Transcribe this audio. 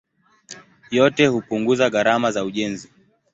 Yote hupunguza gharama za ujenzi.